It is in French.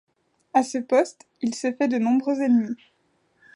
À ce poste, il se fait de nombreux ennemis.